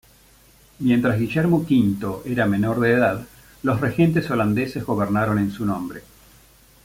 Mientras Guillermo V era menor de edad, los regentes holandeses gobernaron en su nombre.